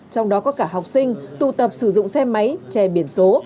trong đó có cả học sinh tụ tập sử dụng xe máy che biển số